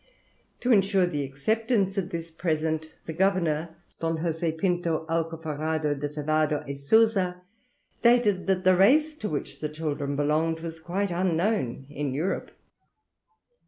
To insure the acceptance of this present, the governor, D. José Pinto Alcofarado d'Azevado e Souza, stated that the race to which the children belonged was quite unknown in Europe.